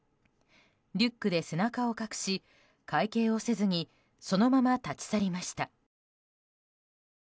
リュックで背中を隠し会計をせずにそのまま立ち去りました。